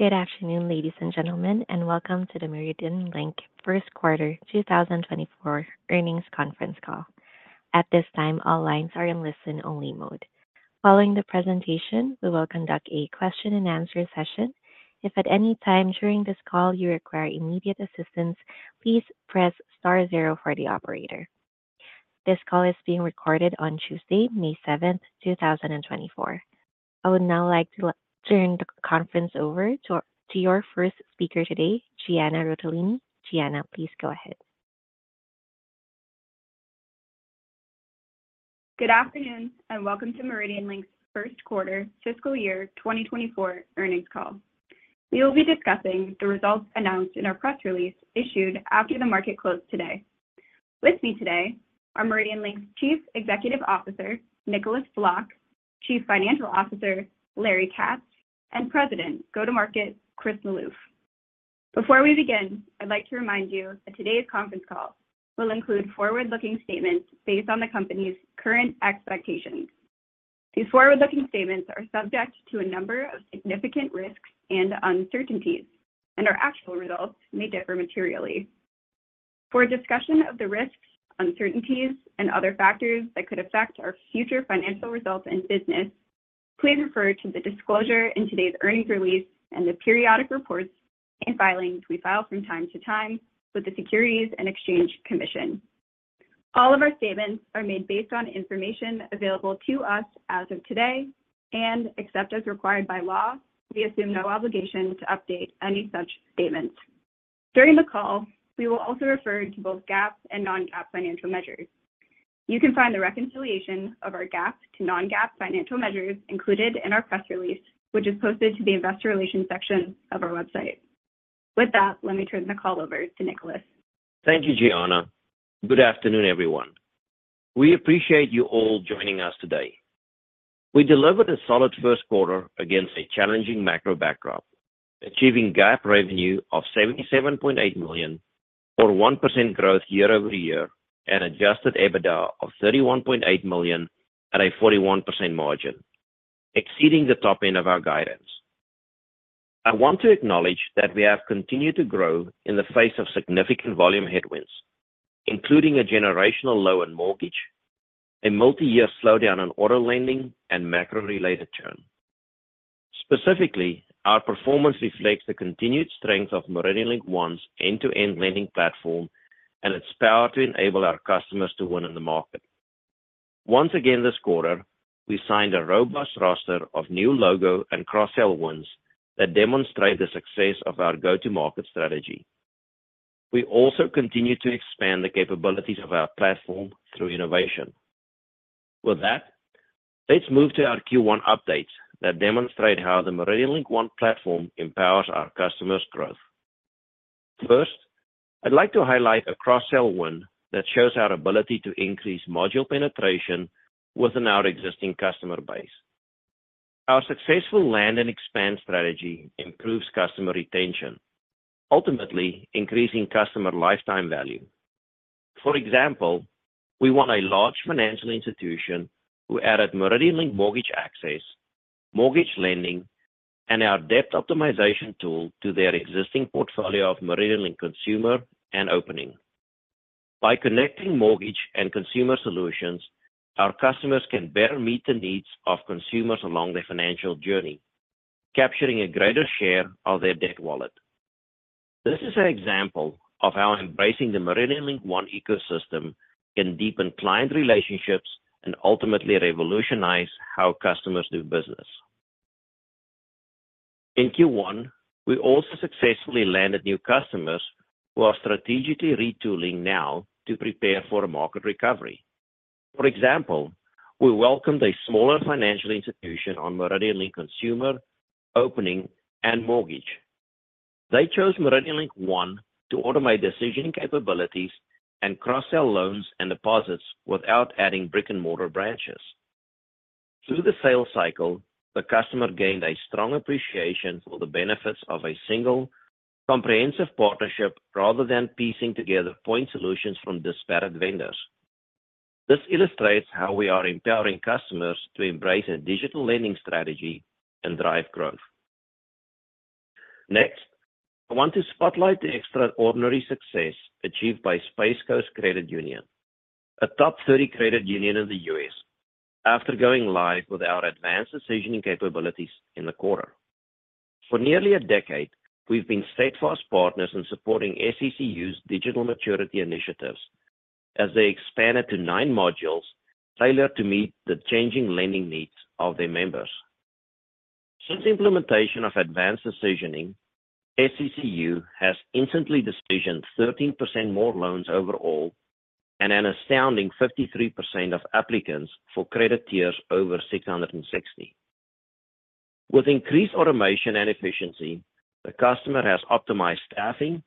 Good afternoon, ladies and gentlemen, and welcome to the MeridianLink First Quarter 2024 Earnings Conference Call. At this time, all lines are in listen-only mode. Following the presentation, we will conduct a question-and-answer session. If at any time during this call you require immediate assistance, please press star 0 for the operator. This call is being recorded on Tuesday, May 7, 2024. I would now like to turn the conference over to your first speaker today, Gianna Rotellini. Gianna, please go ahead. Good afternoon and welcome to MeridianLink's First Quarter Fiscal Year 2024 Earnings Call. We will be discussing the results announced in our press release issued after the market closed today. With me today are MeridianLink's Chief Executive Officer, Nicolaas Vlok, Chief Financial Officer, Larry Katz, and President, Go-to-Market, Chris Maloof. Before we begin, I'd like to remind you that today's conference call will include forward-looking statements based on the company's current expectations. These forward-looking statements are subject to a number of significant risks and uncertainties, and our actual results may differ materially. For discussion of the risks, uncertainties, and other factors that could affect our future financial results and business, please refer to the disclosure in today's earnings release and the periodic reports and filings we file from time to time with the Securities and Exchange Commission. All of our statements are made based on information available to us as of today, and except as required by law, we assume no obligation to update any such statements. During the call, we will also refer to both GAAP and non-GAAP financial measures. You can find the reconciliation of our GAAP to non-GAAP financial measures included in our press release, which is posted to the investor relations section of our website. With that, let me turn the call over to Nicolaas. Thank you, Gianna. Good afternoon, everyone. We appreciate you all joining us today. We delivered a solid first quarter against a challenging macro backdrop, achieving GAAP revenue of $77.8 million or 1% growth year-over-year and Adjusted EBITDA of $31.8 million at a 41% margin, exceeding the top end of our guidance. I want to acknowledge that we have continued to grow in the face of significant volume headwinds, including a generational low in mortgage, a multi-year slowdown in auto lending, and macro-related churn. Specifically, our performance reflects the continued strength of MeridianLink One's end-to-end lending platform and its power to enable our customers to win in the market. Once again this quarter, we signed a robust roster of new logo and cross-sell wins that demonstrate the success of our go-to-market strategy. We also continue to expand the capabilities of our platform through innovation. With that, let's move to our Q1 updates that demonstrate how the MeridianLink One platform empowers our customers' growth. First, I'd like to highlight a cross-sell win that shows our ability to increase module penetration within our existing customer base. Our successful land and expand strategy improves customer retention, ultimately increasing customer lifetime value. For example, we won a large financial institution who added MeridianLink Mortgage Access, mortgage lending, and our debt optimization tool to their existing portfolio of MeridianLink Consumer and Opening. By connecting mortgage and consumer solutions, our customers can better meet the needs of consumers along their financial journey, capturing a greater share of their debt wallet. This is an example of how embracing the MeridianLink One ecosystem can deepen client relationships and ultimately revolutionize how customers do business. In Q1, we also successfully landed new customers who are strategically retooling now to prepare for a market recovery. For example, we welcomed a smaller financial institution on MeridianLink Consumer, Opening, and Mortgage. They chose MeridianLink One to automate decision capabilities and cross-sell loans and deposits without adding brick-and-mortar branches. Through the sales cycle, the customer gained a strong appreciation for the benefits of a single, comprehensive partnership rather than piecing together point solutions from disparate vendors. This illustrates how we are empowering customers to embrace a digital lending strategy and drive growth. Next, I want to spotlight the extraordinary success achieved by Space Coast Credit Union, a top 30 credit union in the U.S., after going live with our advanced decisioning capabilities in the quarter. For nearly a decade, we've been steadfast partners in supporting SCCU's digital maturity initiatives as they expanded to nine modules tailored to meet the changing lending needs of their members. Since implementation of advanced decisioning, SCCU has instantly decisioned 13% more loans overall and an astounding 53% of applicants for credit tiers over 660. With increased automation and efficiency, the customer has optimized staffing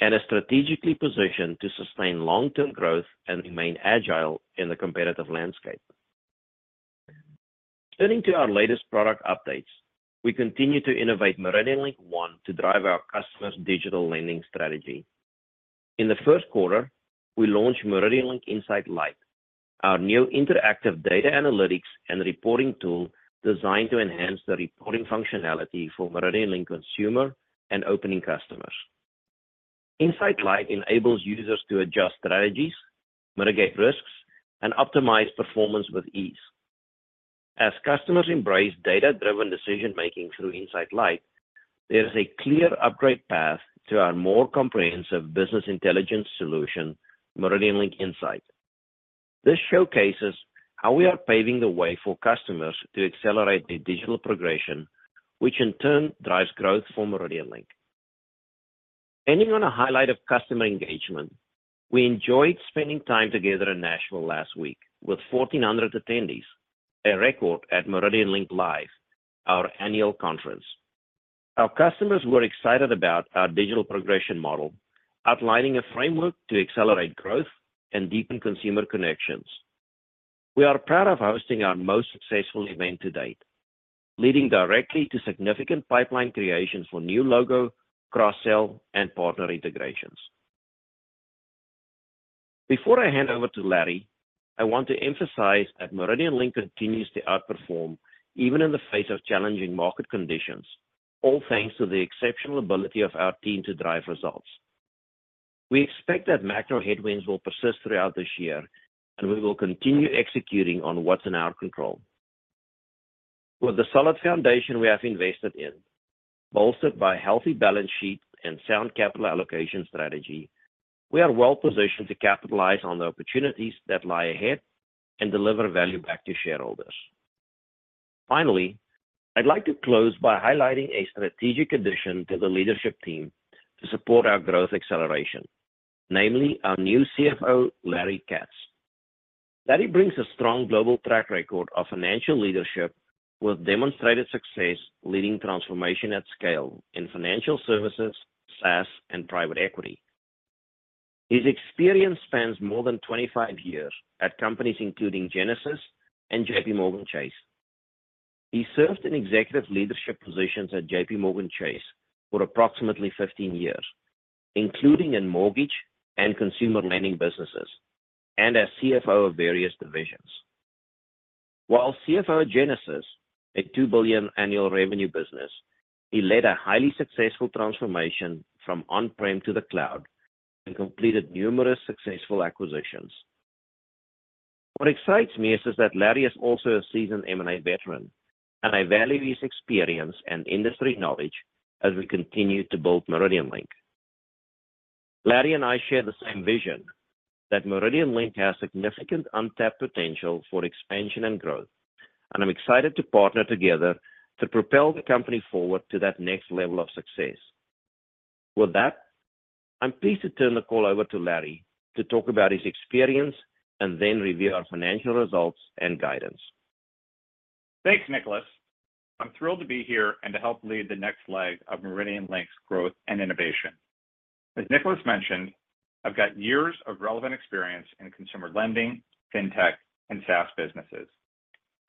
and is strategically positioned to sustain long-term growth and remain agile in the competitive landscape. Turning to our latest product updates, we continue to innovate MeridianLink One to drive our customers' digital lending strategy. In the first quarter, we launched MeridianLink Insight Lite, our new interactive data analytics and reporting tool designed to enhance the reporting functionality for MeridianLink Consumer and Opening customers. Insight Lite enables users to adjust strategies, mitigate risks, and optimize performance with ease. As customers embrace data-driven decision-making through Insight Lite, there is a clear upgrade path to our more comprehensive business intelligence solution, MeridianLink Insight. This showcases how we are paving the way for customers to accelerate their digital progression, which in turn drives growth for MeridianLink. Ending on a highlight of customer engagement, we enjoyed spending time together in Nashville last week with 1,400 attendees, a record at MeridianLink Live, our annual conference. Our customers were excited about our digital progression model, outlining a framework to accelerate growth and deepen consumer connections. We are proud of hosting our most successful event to date, leading directly to significant pipeline creation for new logo, cross-sell, and partner integrations. Before I hand over to Larry, I want to emphasize that MeridianLink continues to outperform even in the face of challenging market conditions, all thanks to the exceptional ability of our team to drive results. We expect that macro headwinds will persist throughout this year, and we will continue executing on what's in our control. With the solid foundation we have invested in, bolstered by a healthy balance sheet and sound capital allocation strategy, we are well positioned to capitalize on the opportunities that lie ahead and deliver value back to shareholders. Finally, I'd like to close by highlighting a strategic addition to the leadership team to support our growth acceleration, namely our new CFO, Larry Katz. Larry brings a strong global track record of financial leadership with demonstrated success leading transformation at scale in financial services, SaaS, and private equity. His experience spans more than 25 years at companies including Genesys and JPMorgan Chase. He served in executive leadership positions at JPMorgan Chase for approximately 15 years, including in mortgage and consumer lending businesses and as CFO of various divisions. While CFO of Genesys, a $2 billion annual revenue business, he led a highly successful transformation from on-prem to the cloud and completed numerous successful acquisitions. What excites me is that Larry is also a seasoned M&A veteran, and I value his experience and industry knowledge as we continue to build MeridianLink. Larry and I share the same vision that MeridianLink has significant untapped potential for expansion and growth, and I'm excited to partner together to propel the company forward to that next level of success. With that, I'm pleased to turn the call over to Larry to talk about his experience and then review our financial results and guidance. Thanks, Nicolaas. I'm thrilled to be here and to help lead the next leg of MeridianLink's growth and innovation. As Nicolaas mentioned, I've got years of relevant experience in consumer lending, fintech, and SaaS businesses.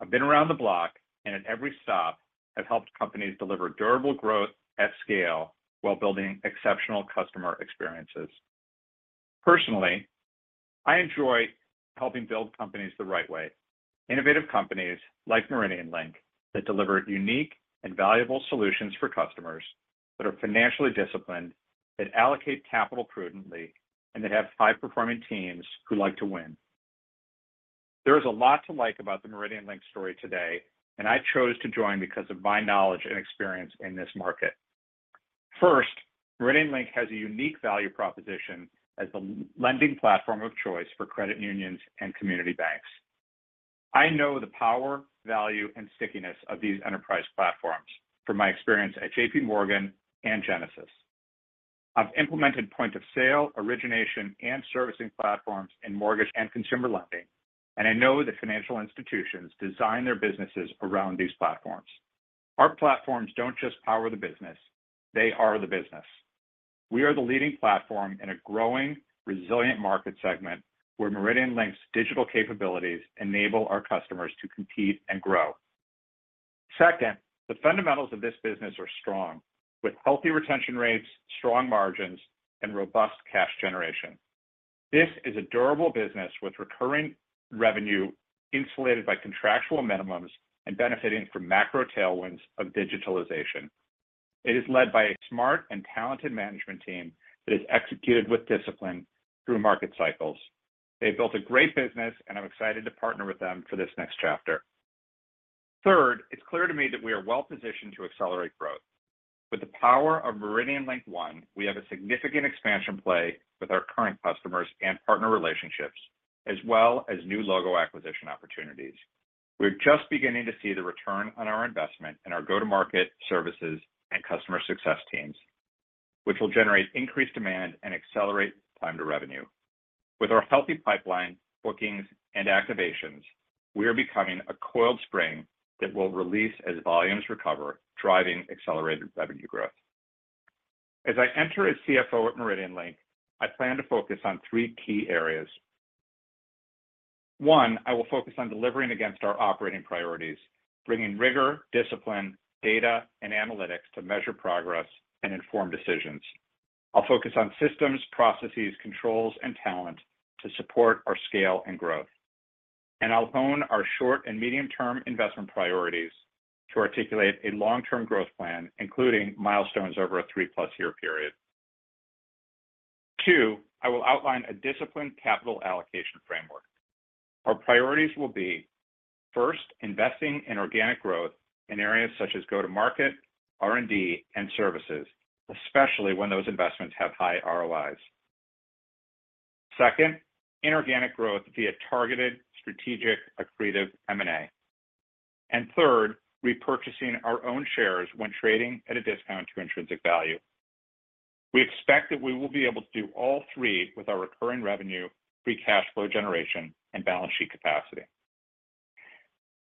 I've been around the block and at every stop have helped companies deliver durable growth at scale while building exceptional customer experiences. Personally, I enjoy helping build companies the right way, innovative companies like MeridianLink that deliver unique and valuable solutions for customers that are financially disciplined, that allocate capital prudently, and that have high-performing teams who like to win. There is a lot to like about the MeridianLink story today, and I chose to join because of my knowledge and experience in this market. First, MeridianLink has a unique value proposition as the lending platform of choice for credit unions and community banks. I know the power, value, and stickiness of these enterprise platforms from my experience at JPMorgan and Genesys. I've implemented point-of-sale, origination, and servicing platforms in mortgage and consumer lending, and I know that financial institutions design their businesses around these platforms. Our platforms don't just power the business. They are the business. We are the leading platform in a growing, resilient market segment where MeridianLink's digital capabilities enable our customers to compete and grow. Second, the fundamentals of this business are strong, with healthy retention rates, strong margins, and robust cash generation. This is a durable business with recurring revenue insulated by contractual minimums and benefiting from macro tailwinds of digitalization. It is led by a smart and talented management team that is executed with discipline through market cycles. They've built a great business, and I'm excited to partner with them for this next chapter. Third, it's clear to me that we are well positioned to accelerate growth. With the power of MeridianLink One, we have a significant expansion play with our current customers and partner relationships, as well as new logo acquisition opportunities. We're just beginning to see the return on our investment in our go-to-market services and customer success teams, which will generate increased demand and accelerate time to revenue. With our healthy pipeline, bookings, and activations, we are becoming a coiled spring that will release as volumes recover, driving accelerated revenue growth. As I enter as CFO at MeridianLink, I plan to focus on three key areas. One, I will focus on delivering against our operating priorities, bringing rigor, discipline, data, and analytics to measure progress and inform decisions. I'll focus on systems, processes, controls, and talent to support our scale and growth. I'll hone our short and medium term investment priorities to articulate a long-term growth plan, including milestones over a 3+ year period. 2, I will outline a disciplined capital allocation framework. Our priorities will be, first, investing in organic growth in areas such as go-to-market, R&D, and services, especially when those investments have high ROIs. Second, inorganic growth via targeted, strategic, accretive M&A. And third, repurchasing our own shares when trading at a discount to intrinsic value. We expect that we will be able to do all three with our recurring revenue, free cash flow generation, and balance sheet capacity.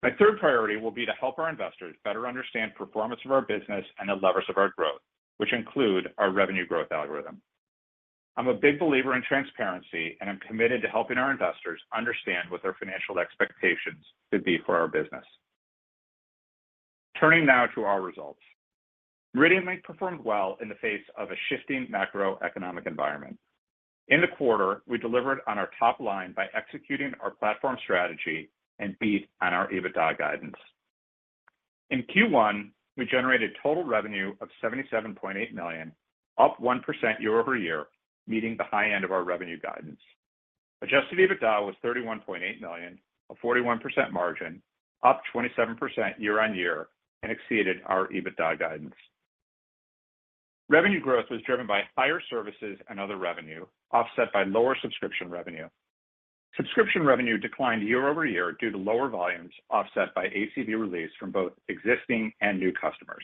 My third priority will be to help our investors better understand performance of our business and the levers of our growth, which include our revenue growth algorithm. I'm a big believer in transparency, and I'm committed to helping our investors understand what their financial expectations could be for our business. Turning now to our results. MeridianLink performed well in the face of a shifting macroeconomic environment. In the quarter, we delivered on our top line by executing our platform strategy and beat on our EBITDA guidance. In Q1, we generated total revenue of $77.8 million, up 1% year-over-year, meeting the high end of our revenue guidance. Adjusted EBITDA was $31.8 million, a 41% margin, up 27% year-on-year, and exceeded our EBITDA guidance. Revenue growth was driven by higher services and other revenue, offset by lower subscription revenue. Subscription revenue declined year-over-year due to lower volumes offset by ACV release from both existing and new customers.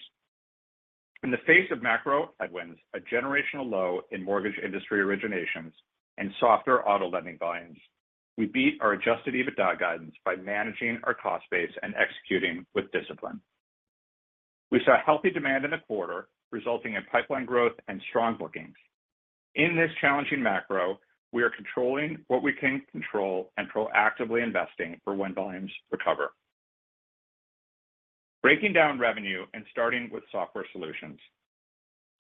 In the face of macro headwinds, a generational low in mortgage industry originations, and softer auto lending volumes, we beat our Adjusted EBITDA guidance by managing our cost base and executing with discipline. We saw healthy demand in the quarter, resulting in pipeline growth and strong bookings. In this challenging macro, we are controlling what we can control and proactively investing for when volumes recover. Breaking down revenue and starting with software solutions.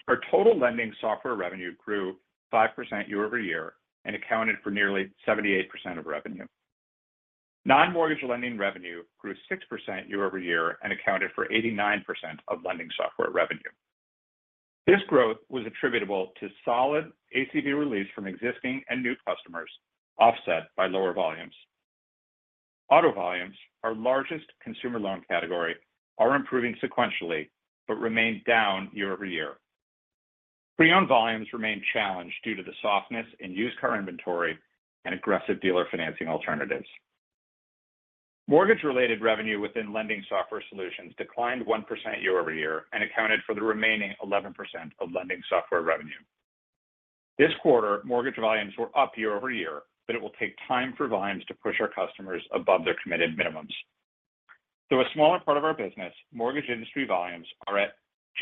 Our total lending software revenue grew 5% year-over-year and accounted for nearly 78% of revenue. Non-mortgage lending revenue grew 6% year-over-year and accounted for 89% of lending software revenue. This growth was attributable to solid ACV release from existing and new customers, offset by lower volumes. Auto volumes, our largest consumer loan category, are improving sequentially but remain down year-over-year. Pre-owned volumes remain challenged due to the softness in used car inventory and aggressive dealer financing alternatives. Mortgage-related revenue within lending software solutions declined 1% year-over-year and accounted for the remaining 11% of lending software revenue. This quarter, mortgage volumes were up year-over-year, but it will take time for volumes to push our customers above their committed minimums. Though a smaller part of our business, mortgage industry volumes are at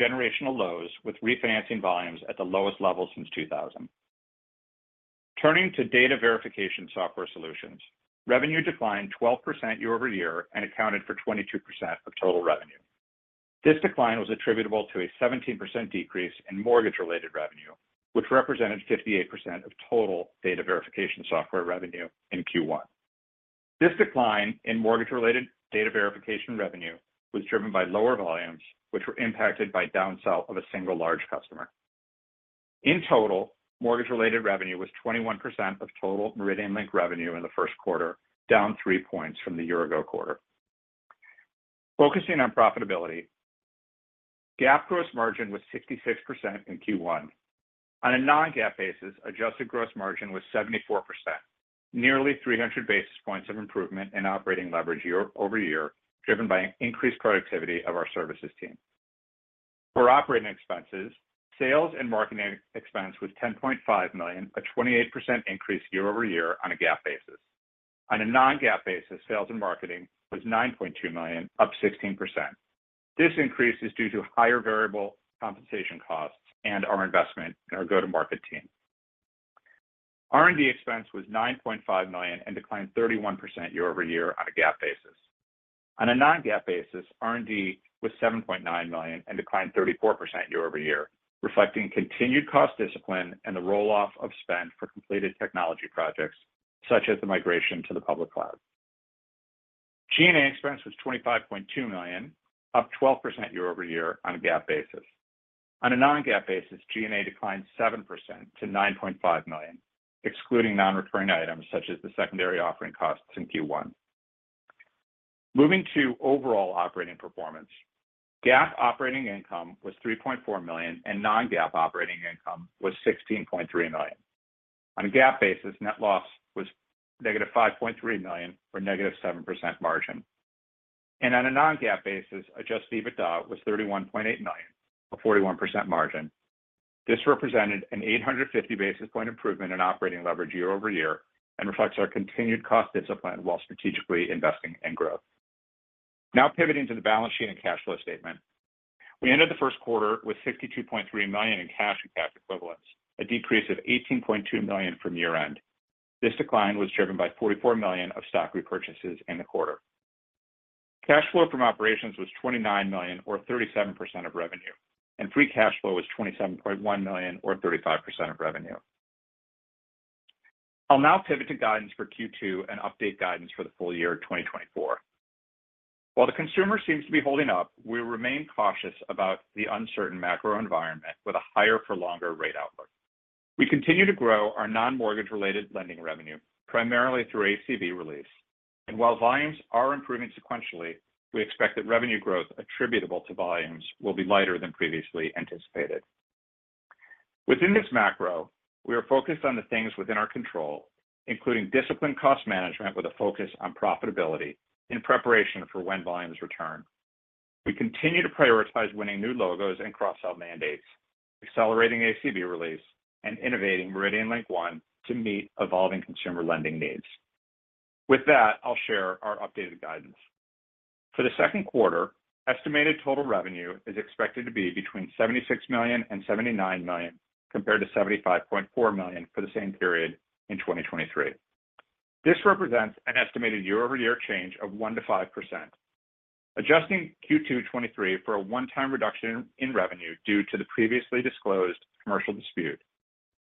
generational lows, with refinancing volumes at the lowest level since 2000. Turning to data verification software solutions. Revenue declined 12% year-over-year and accounted for 22% of total revenue. This decline was attributable to a 17% decrease in mortgage-related revenue, which represented 58% of total data verification software revenue in Q1. This decline in mortgage-related data verification revenue was driven by lower volumes, which were impacted by downsell of a single large customer. In total, mortgage-related revenue was 21% of total MeridianLink revenue in the first quarter, down three points from the year-ago quarter. Focusing on profitability. GAAP gross margin was 66% in Q1. On a non-GAAP basis, adjusted gross margin was 74%, nearly 300 basis points of improvement in operating leverage year-over-year, driven by increased productivity of our services team. For operating expenses, sales and marketing expense was $10.5 million, a 28% increase year-over-year on a GAAP basis. On a non-GAAP basis, sales and marketing was $9.2 million, up 16%. This increase is due to higher variable compensation costs and our investment in our go-to-market team. R&D expense was $9.5 million and declined 31% year-over-year on a GAAP basis. On a non-GAAP basis, R&D was $7.9 million and declined 34% year-over-year, reflecting continued cost discipline and the roll-off of spend for completed technology projects such as the migration to the public cloud. G&A expense was $25.2 million, up 12% year-over-year on a GAAP basis. On a non-GAAP basis, G&A declined 7% to $9.5 million, excluding non-recurring items such as the secondary offering costs in Q1. Moving to overall operating performance. GAAP operating income was $3.4 million, and non-GAAP operating income was $16.3 million. On a GAAP basis, net loss was -$5.3 million for a -7% margin. On a non-GAAP basis, Adjusted EBITDA was $31.8 million, a 41% margin. This represented an 850 basis point improvement in operating leverage year-over-year and reflects our continued cost discipline while strategically investing in growth. Now pivoting to the balance sheet and cash flow statement. We entered the first quarter with $52.3 million in cash and cash equivalents, a decrease of $18.2 million from year-end. This decline was driven by $44 million of stock repurchases in the quarter. Cash flow from operations was $29 million, or 37% of revenue, and free cash flow was $27.1 million, or 35% of revenue. I'll now pivot to guidance for Q2 and update guidance for the full year 2024. While the consumer seems to be holding up, we remain cautious about the uncertain macro environment with a higher-for-longer rate outlook. We continue to grow our non-mortgage-related lending revenue, primarily through ACV release. And while volumes are improving sequentially, we expect that revenue growth attributable to volumes will be lighter than previously anticipated. Within this macro, we are focused on the things within our control, including disciplined cost management with a focus on profitability in preparation for when volumes return. We continue to prioritize winning new logos and cross-sell mandates, accelerating ACV release, and innovating MeridianLink One to meet evolving consumer lending needs. With that, I'll share our updated guidance. For the second quarter, estimated total revenue is expected to be between $76 million and $79 million compared to $75.4 million for the same period in 2023. This represents an estimated year-over-year change of 1%-5%, adjusting Q2 2023 for a one-time reduction in revenue due to the previously disclosed commercial dispute.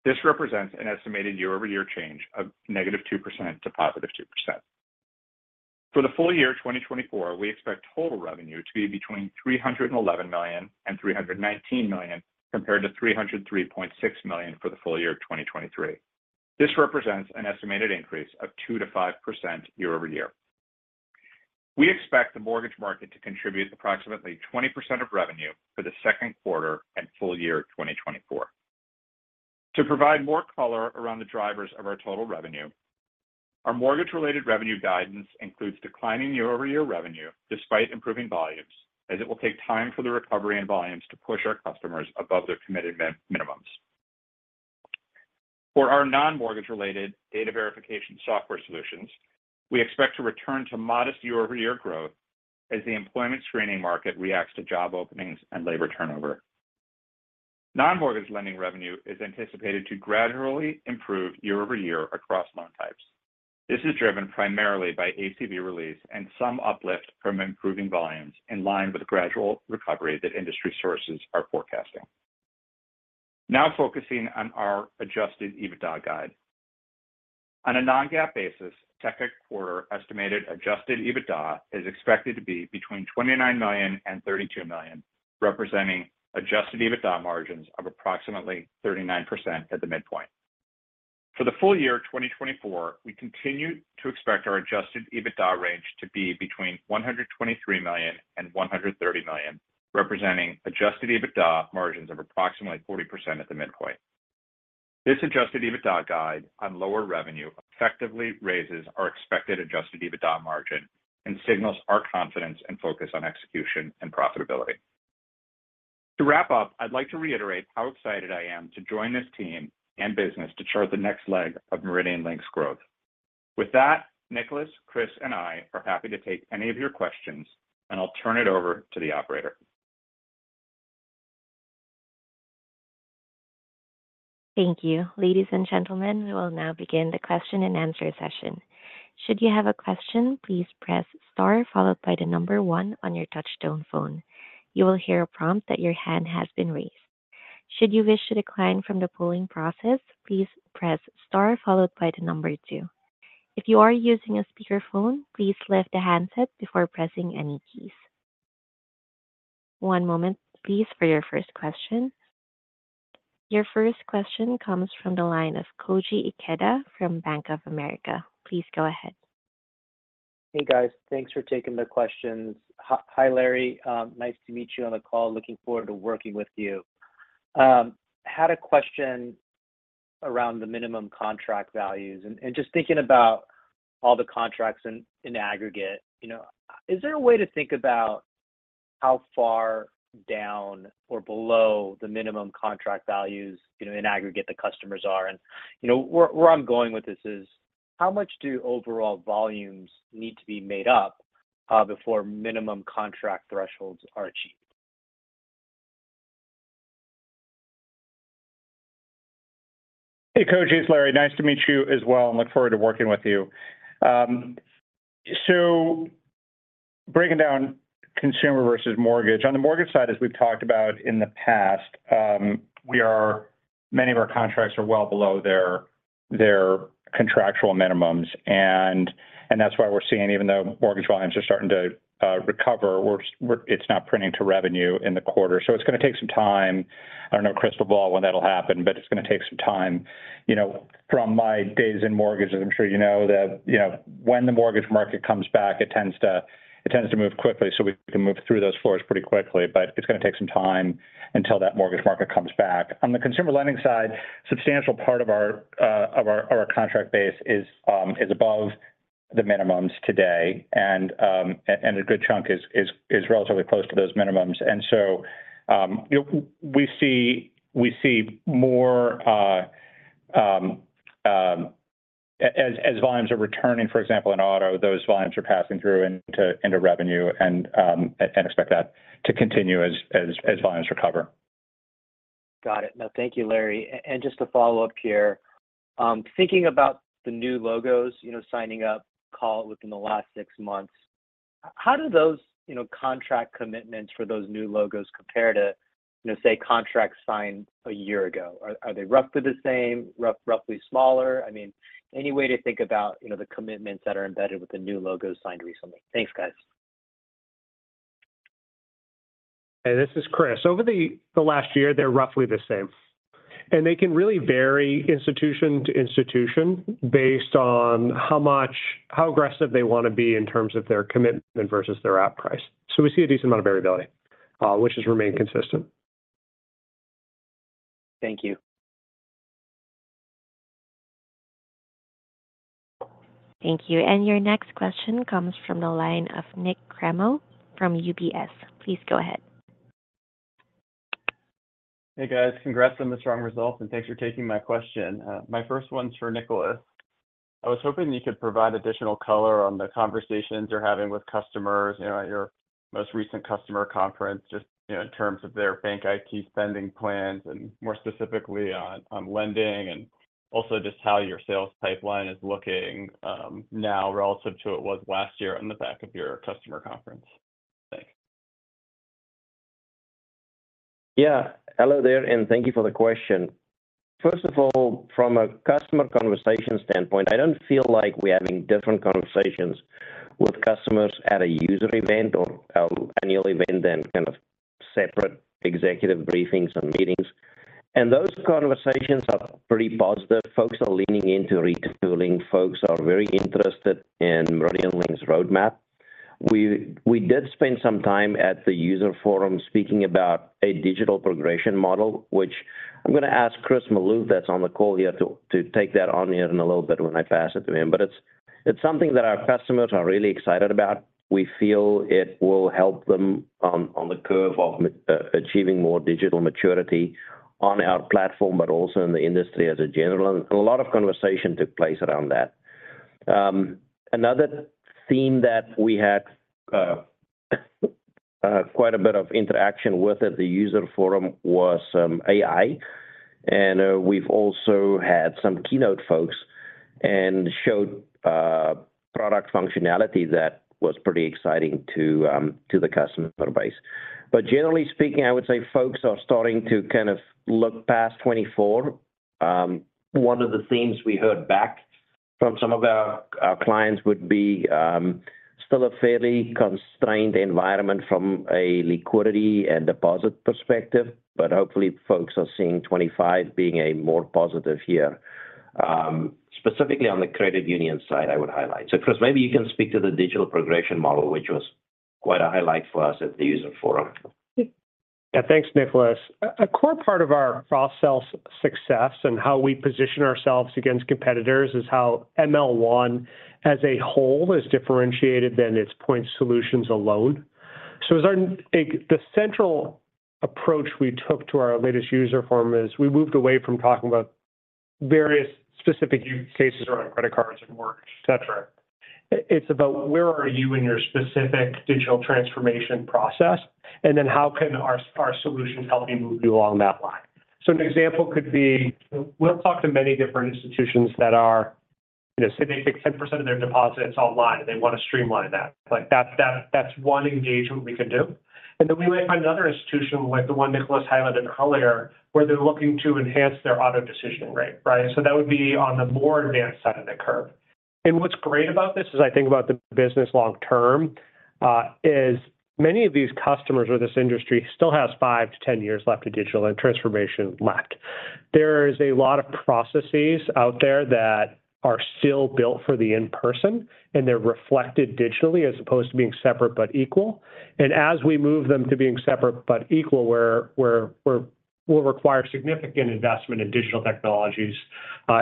This represents an estimated year-over-year change of -2% to +2%. For the full year 2024, we expect total revenue to be between $311 million and $319 million compared to $303.6 million for the full year 2023. This represents an estimated increase of 2%-5% year-over-year. We expect the mortgage market to contribute approximately 20% of revenue for the second quarter and full year 2024. To provide more color around the drivers of our total revenue, our mortgage-related revenue guidance includes declining year-over-year revenue despite improving volumes, as it will take time for the recovery in volumes to push our customers above their committed minimums. For our non-mortgage-related data verification software solutions, we expect to return to modest year-over-year growth as the employment screening market reacts to job openings and labor turnover. Non-mortgage lending revenue is anticipated to gradually improve year-over-year across loan types. This is driven primarily by ACV release and some uplift from improving volumes in line with gradual recovery that industry sources are forecasting. Now focusing on our Adjusted EBITDA guide. On a non-GAAP basis, this quarter estimated Adjusted EBITDA is expected to be between $29 million-$32 million, representing Adjusted EBITDA margins of approximately 39% at the midpoint. For the full year 2024, we continue to expect our Adjusted EBITDA range to be between $123 million-$130 million, representing Adjusted EBITDA margins of approximately 40% at the midpoint. This adjusted EBITDA guide on lower revenue effectively raises our expected Adjusted EBITDA margin and signals our confidence and focus on execution and profitability. To wrap up, I'd like to reiterate how excited I am to join this team and business to chart the next leg of MeridianLink's growth. With that, Nicolaas, Chris, and I are happy to take any of your questions, and I'll turn it over to the operator. Thank you. Ladies and gentlemen, we will now begin the question-and-answer session. Should you have a question, please press star followed by 1 on your touch-tone phone. You will hear a prompt that your hand has been raised. Should you wish to decline from the polling process, please press star followed by 2. If you are using a speakerphone, please lift the handset before pressing any keys. One moment, please, for your first question. Your first question comes from the line of Koji Ikeda from Bank of America. Please go ahead. Hey, guys. Thanks for taking the questions. Hi, Larry. Nice to meet you on the call. Looking forward to working with you. I had a question around the minimum contract values. Just thinking about all the contracts in aggregate, is there a way to think about how far down or below the minimum contract values in aggregate the customers are? Where I'm going with this is, how much do overall volumes need to be made up before minimum contract thresholds are achieved? Hey, Koji. It's Larry. Nice to meet you as well. I look forward to working with you. So breaking down consumer versus mortgage. On the mortgage side, as we've talked about in the past, many of our contracts are well below their contractual minimums. And that's why we're seeing, even though mortgage volumes are starting to recover, it's not printing to revenue in the quarter. So it's going to take some time. I don't know, crystal ball, when that'll happen, but it's going to take some time. From my days in mortgages, I'm sure you know that when the mortgage market comes back, it tends to move quickly, so we can move through those floors pretty quickly. But it's going to take some time until that mortgage market comes back. On the consumer lending side, a substantial part of our contract base is above the minimums today, and a good chunk is relatively close to those minimums. So we see more as volumes are returning, for example, in auto, those volumes are passing through into revenue. Expect that to continue as volumes recover. Got it. No, thank you, Larry. And just a follow-up here. Thinking about the new logos, signing up, call it, within the last six months, how do those contract commitments for those new logos compare to, say, contracts signed a year ago? Are they roughly the same, roughly smaller? I mean, any way to think about the commitments that are embedded with the new logos signed recently? Thanks, guys. Hey, this is Chris. Over the last year, they're roughly the same. And they can really vary institution to institution based on how aggressive they want to be in terms of their commitment versus their app price. So we see a decent amount of variability, which has remained consistent. Thank you. Thank you. Your next question comes from the line of Nick Cremo from UBS. Please go ahead. Hey, guys. Congrats on the strong results, and thanks for taking my question. My first one's for Nicolaas. I was hoping you could provide additional color on the conversations you're having with customers at your most recent customer conference just in terms of their bank IT spending plans and more specifically on lending and also just how your sales pipeline is looking now relative to what it was last year on the back of your customer conference. Thanks. Yeah. Hello there, and thank you for the question. First of all, from a customer conversation standpoint, I don't feel like we're having different conversations with customers at a user event or annual event than kind of separate executive briefings and meetings. Those conversations are pretty positive. Folks are leaning into retooling. Folks are very interested in MeridianLink's roadmap. We did spend some time at the user forum speaking about a digital progression model, which I'm going to ask Chris Maloof, who's on the call here, to take that on here in a little bit when I pass it to him. But it's something that our customers are really excited about. We feel it will help them on the curve of achieving more digital maturity on our platform, but also in the industry in general. A lot of conversation took place around that. Another theme that we had quite a bit of interaction with at the user forum was AI. And we've also had some keynote folks and showed product functionality that was pretty exciting to the customer base. But generally speaking, I would say folks are starting to kind of look past 2024. One of the themes we heard back from some of our clients would be still a fairly constrained environment from a liquidity and deposit perspective. But hopefully, folks are seeing 2025 being a more positive year, specifically on the credit union side, I would highlight. So, Chris, maybe you can speak to the digital progression model, which was quite a highlight for us at the user forum. Yeah. Thanks, Nicolaas. A core part of our cross-sell success and how we position ourselves against competitors is how ML1 as a whole is differentiated than its point solutions alone. So the central approach we took to our latest user forum is we moved away from talking about various specific use cases around credit cards and work, etc. It's about where are you in your specific digital transformation process, and then how can our solutions help you move you along that line? So an example could be we'll talk to many different institutions that are say they take 10% of their deposits online, and they want to streamline that. That's one engagement we can do. And then we might find another institution, like the one Nicolaas highlighted earlier, where they're looking to enhance their auto decision rate, right? So that would be on the more advanced side of the curve. What's great about this, as I think about the business long-term, is many of these customers or this industry still has 5-10 years left to digital and transformation left. There is a lot of processes out there that are still built for the in-person, and they're reflected digitally as opposed to being separate but equal. As we move them to being separate but equal, we'll require significant investment in digital technologies,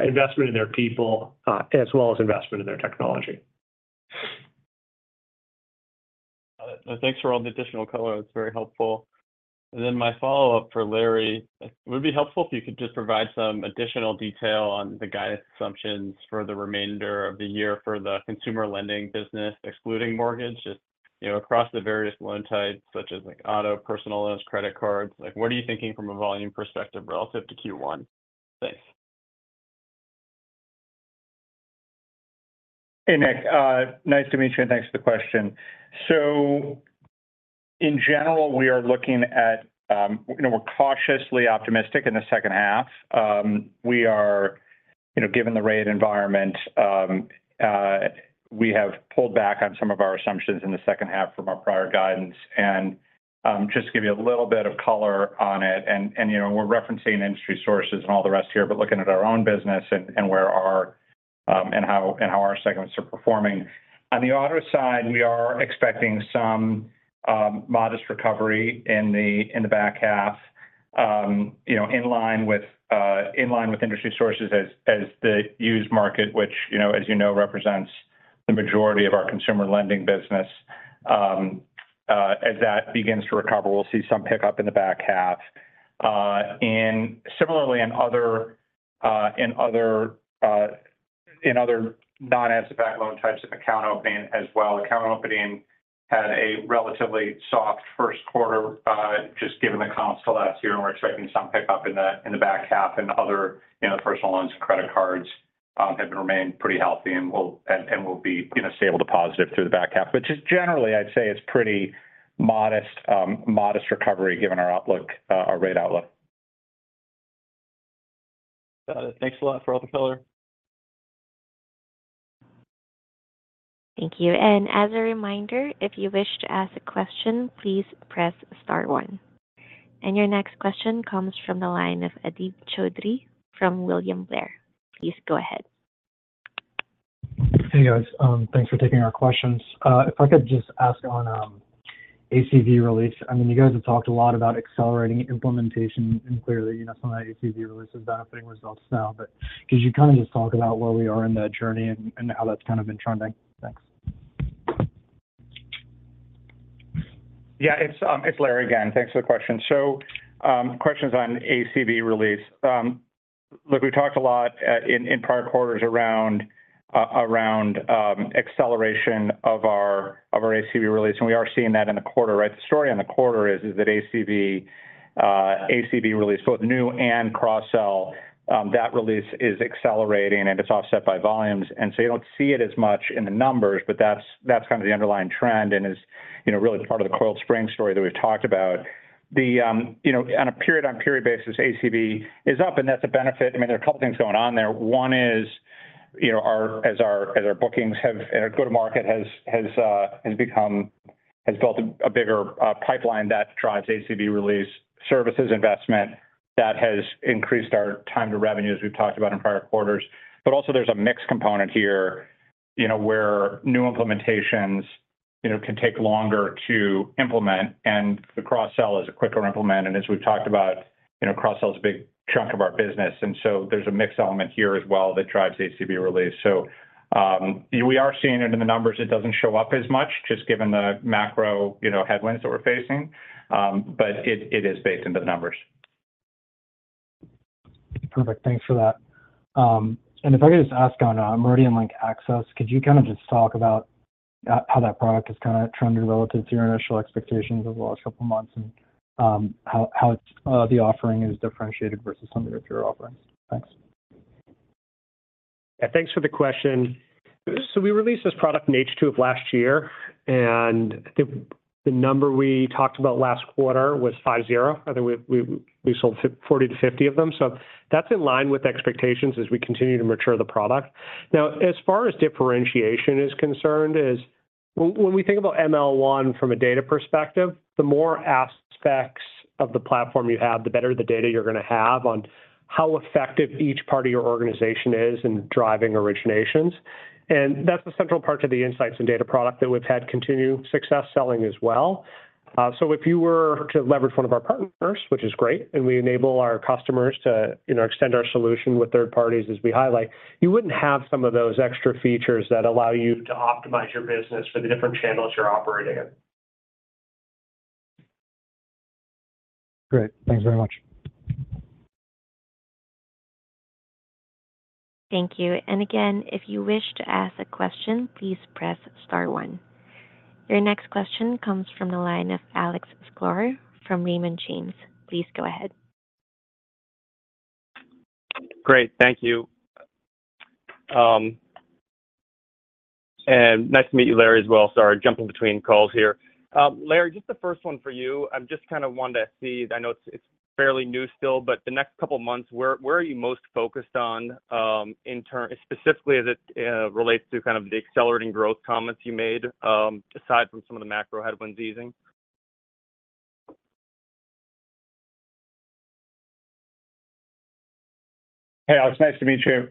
investment in their people, as well as investment in their technology. Thanks for all the additional color. It's very helpful. And then my follow-up for Larry, it would be helpful if you could just provide some additional detail on the guidance assumptions for the remainder of the year for the consumer lending business, excluding mortgage, just across the various loan types such as auto, personal loans, credit cards. What are you thinking from a volume perspective relative to Q1? Thanks. Hey, Nick. Nice to meet you, and thanks for the question. So in general, we're cautiously optimistic in the second half. Given the rate environment, we have pulled back on some of our assumptions in the second half from our prior guidance. Just to give you a little bit of color on it, we're referencing industry sources and all the rest here, but looking at our own business and how our segments are performing. On the auto side, we are expecting some modest recovery in the back half in line with industry sources as the used market, which, as you know, represents the majority of our consumer lending business. As that begins to recover, we'll see some pickup in the back half. And similarly, in other non-asset-backed loan types of account opening as well, account opening had a relatively soft first quarter, just given the comps to last year. And we're expecting some pickup in the back half. And other personal loans and credit cards have remained pretty healthy and will be stable to positive through the back half. But just generally, I'd say it's pretty modest recovery given our rate outlook. Got it. Thanks a lot for all the color. Thank you. And as a reminder, if you wish to ask a question, please press star 1. And your next question comes from the line of Adib Choudhury from William Blair. Please go ahead. Hey, guys. Thanks for taking our questions. If I could just ask on ACV release. I mean, you guys have talked a lot about accelerating implementation, and clearly, some of that ACV release is benefiting results now. But could you kind of just talk about where we are in that journey and how that's kind of been trending? Thanks. Yeah. It's Larry again. Thanks for the question. So questions on ACV release. Look, we talked a lot in prior quarters around acceleration of our ACV release. And we are seeing that in the quarter, right? The story on the quarter is that ACV release, both new and cross-sell, that release is accelerating, and it's offset by volumes. And so you don't see it as much in the numbers, but that's kind of the underlying trend and is really part of the coiled spring story that we've talked about. On a period-on-period basis, ACV is up, and that's a benefit. I mean, there are a couple of things going on there. One is, as our bookings and our go-to-market has built a bigger pipeline that drives ACV release services investment that has increased our time to revenue as we've talked about in prior quarters. But also, there's a mixed component here where new implementations can take longer to implement, and the cross-sell is a quicker implement. And as we've talked about, cross-sell is a big chunk of our business. And so there's a mixed element here as well that drives ACV release. So we are seeing it in the numbers. It doesn't show up as much, just given the macro headwinds that we're facing. But it is baked into the numbers. Perfect. Thanks for that. If I could just ask on MeridianLink Access, could you kind of just talk about how that product has kind of trended relative to your initial expectations over the last couple of months and how the offering is differentiated versus some of your peer offerings? Thanks. Yeah. Thanks for the question. So we released this product in H2 of last year. And I think the number we talked about last quarter was 50. I think we sold 40-50 of them. So that's in line with expectations as we continue to mature the product. Now, as far as differentiation is concerned, when we think about ML1 from a data perspective, the more aspects of the platform you have, the better the data you're going to have on how effective each part of your organization is in driving originations. And that's the central part to the insights and data product that we've had continue success selling as well. If you were to leverage one of our partners, which is great, and we enable our customers to extend our solution with third parties, as we highlight, you wouldn't have some of those extra features that allow you to optimize your business for the different channels you're operating in. Great. Thanks very much. Thank you. And again, if you wish to ask a question, please press star 1. Your next question comes from the line of Alex Sklar from Raymond James. Please go ahead. Great. Thank you. And nice to meet you, Larry, as well. Sorry, jumping between calls here. Larry, just the first one for you. I just kind of wanted to see, I know it's fairly new still, but the next couple of months, where are you most focused on specifically as it relates to kind of the accelerating growth comments you made, aside from some of the macro headwinds easing? Hey, Alex. Nice to meet you.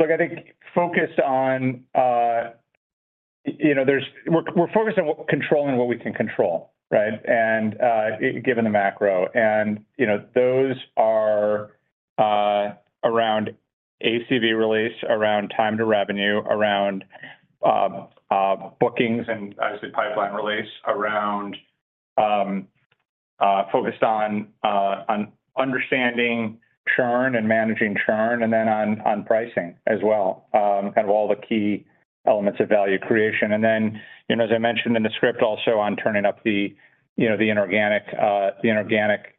Look, I think we're focused on controlling what we can control, right, given the macro. And those are around ACV release, around time to revenue, around bookings and, obviously, pipeline release, focused on understanding churn and managing churn, and then on pricing as well, kind of all the key elements of value creation. And then, as I mentioned in the script, also on turning up the inorganic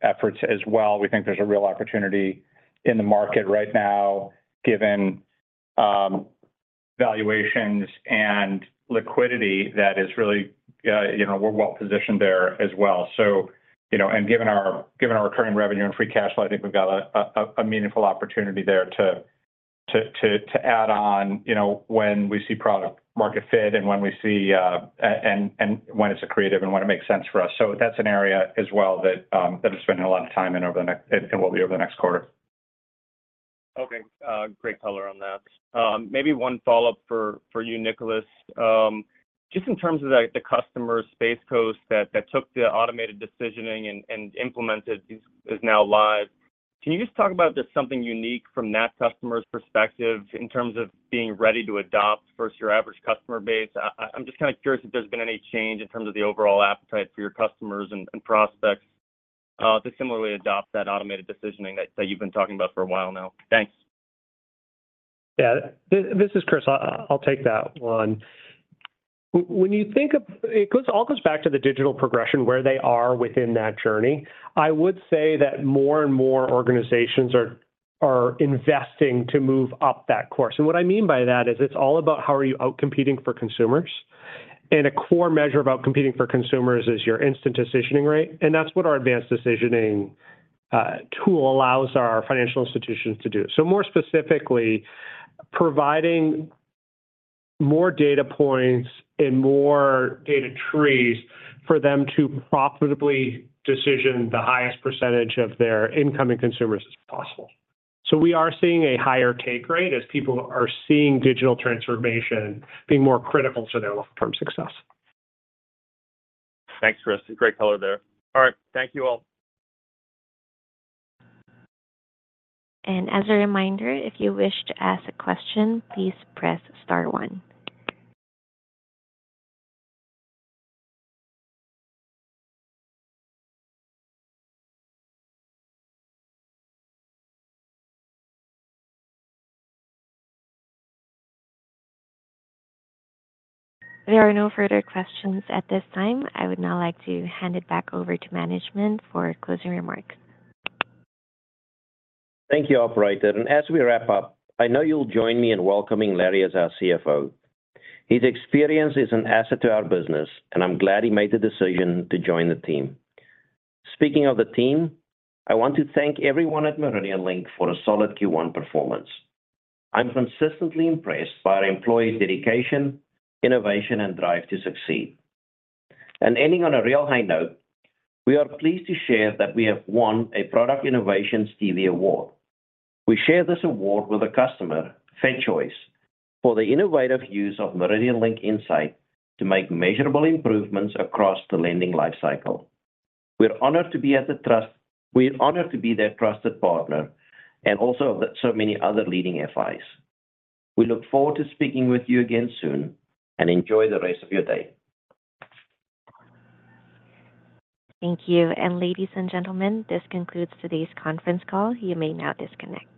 efforts as well. We think there's a real opportunity in the market right now, given valuations and liquidity that is, really, we're well-positioned there as well. And given our recurring revenue and free cash flow, I think we've got a meaningful opportunity there to add on when we see product-market fit and when we see and when it's creative and when it makes sense for us. That's an area as well that I'm spending a lot of time in over the next and will be over the next quarter. Okay. Great color on that. Maybe one follow-up for you, Nicolaas. Just in terms of the customer Space Coast that took the automated decisioning and implemented is now live, can you just talk about just something unique from that customer's perspective in terms of being ready to adopt versus your average customer base? I'm just kind of curious if there's been any change in terms of the overall appetite for your customers and prospects to similarly adopt that automated decisioning that you've been talking about for a while now. Thanks. Yeah. This is Chris. I'll take that one. When you think of it all goes back to the digital progression, where they are within that journey. I would say that more and more organizations are investing to move up that course. And what I mean by that is it's all about how are you outcompeting for consumers. And a core measure of outcompeting for consumers is your instant decisioning rate. And that's what our advanced decisioning tool allows our financial institutions to do. So more specifically, providing more data points and more data trees for them to profitably decision the highest percentage of their incoming consumers as possible. So we are seeing a higher take rate as people are seeing digital transformation being more critical to their long-term success. Thanks, Chris. Great color there. All right. Thank you all. As a reminder, if you wish to ask a question, please press star one. There are no further questions at this time. I would now like to hand it back over to management for closing remarks. Thank you, operator. As we wrap up, I know you'll join me in welcoming Larry as our CFO. His experience is an asset to our business, and I'm glad he made the decision to join the team. Speaking of the team, I want to thank everyone at MeridianLink for a solid Q1 performance. I'm consistently impressed by our employees' dedication, innovation, and drive to succeed. Ending on a real high note, we are pleased to share that we have won a Product Innovation Stevie Award. We share this award with a customer, FedChoice, for the innovative use of MeridianLink Insight to make measurable improvements across the lending lifecycle. We're honored by the trust we're honored to be their trusted partner and also of so many other leading FIs. We look forward to speaking with you again soon and enjoy the rest of your day. Thank you. Ladies and gentlemen, this concludes today's conference call. You may now disconnect.